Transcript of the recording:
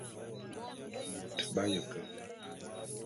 Bôt b'aye ke vé?